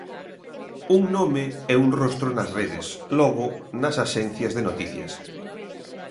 Un nome e un rostro nas redes, logo nas axencias de noticias.